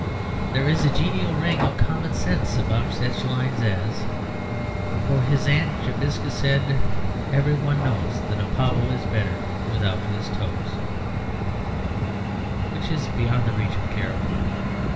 There is a genial ring of commonsense about such lines as, 'For his aunt Jobiska said "Every one knows That a Pobble is better without his toes,"' which is beyond the reach of Carroll.